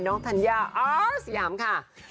น้องธัญญาอ๋อสยามค่ะ